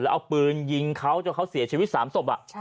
เอาปืนยิงเขาจนเขาเสียชีวิต๓ศพ